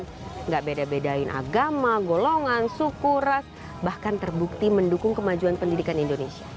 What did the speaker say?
tidak beda bedain agama golongan suku ras bahkan terbukti mendukung kemajuan pendidikan indonesia